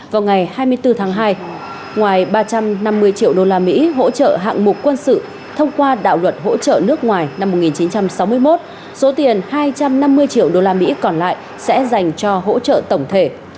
vào ngày hai mươi bốn tháng hai ngoài ba trăm năm mươi triệu đô la mỹ hỗ trợ hạng mục quân sự thông qua đạo luật hỗ trợ nước ngoài năm một nghìn chín trăm sáu mươi một số tiền hai trăm năm mươi triệu đô la mỹ còn lại sẽ dành cho hỗ trợ tổng thể